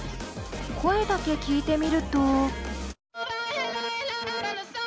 声だけ聴いてみると。